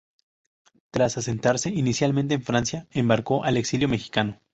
Tras asentarse inicialmente en Francia, embarcó al exilio mexicano.